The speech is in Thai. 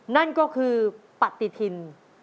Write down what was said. นั่นก็คือปฏิทิน